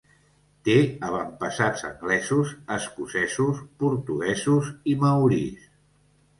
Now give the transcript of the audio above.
Té avantpassats anglesos, escocesos, portuguesos i maoris.